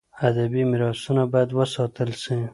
. ادبي میراثونه باید وساتل سي.